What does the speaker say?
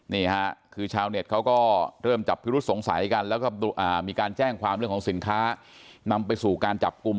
นี่ค่ะคือชาวเน็ตเขาก็เริ่มจับพิรุษสงสัยกันแล้วก็มีการแจ้งความเรื่องของสินค้านำไปสู่การจับกลุ่ม